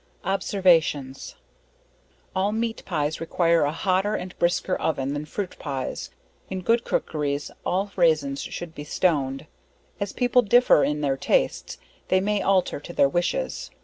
Observations. All meat pies require a hotter and brisker oven than fruit pies, in good cookeries, all raisins should be stoned. As people differ in their tastes, they may alter to their wishes.